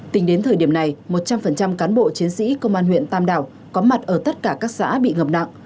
tính đến thời điểm này một trăm linh cán bộ chiến sĩ công an huyện tam đảo có mặt ở tất cả các xã bị ngập nặng